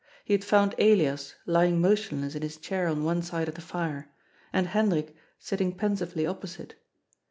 He had found Elias lying motionless in his chair on one side of the fire and Hendrik sitting pensiyely opposite.